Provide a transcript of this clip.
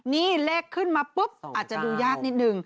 นี่เลขขึ้นมาปุ๊บอาจจะดูยากนิดนึง